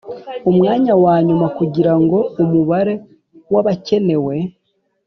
umwanya wa nyuma kugira ngo umubare wabakenewe